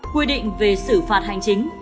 quy định về xử phạt hành chính